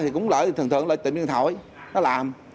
cũng lợi tìm điện thoại